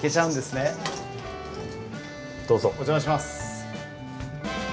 お邪魔します。